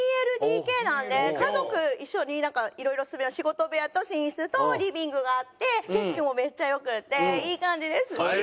２ＬＤＫなんで家族一緒になんかいろいろ仕事部屋と寝室とリビングがあって景色もめっちゃ良くっていい感じです。